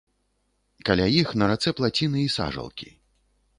Каля іх на рацэ плаціны і сажалкі.